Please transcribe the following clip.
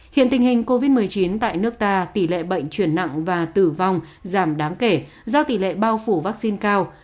hiện tình hình covid một mươi chín tại nước ta tỷ lệ bệnh chuyển nặng và tử vong giảm đáng kể do tỷ lệ bao phủ vaccine cao